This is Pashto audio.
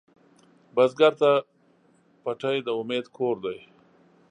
بزګر ته پټی د امید کور دی